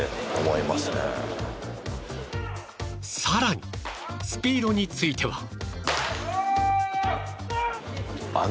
更にスピードについては。